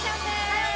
はい！